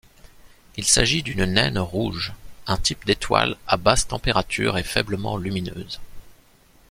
Il s'agit d'une naine rouge, un type d'étoile à basse température et faiblement lumineuse.